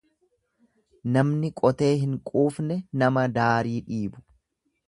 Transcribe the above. Namni qotee hin quufne nama daarii dhiibu.